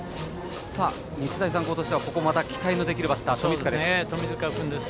日大三高としては期待のできるバッター富塚です。